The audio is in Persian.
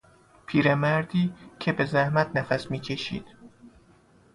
پیرمردی که به زحمت نفس میکشید